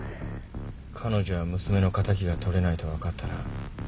彼女は娘の敵が取れないと分かったら。